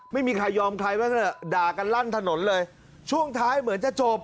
ไม่มีใครยอมใครบ้างเถอะด่ากันลั่นถนนเลยช่วงท้ายเหมือนจะจบ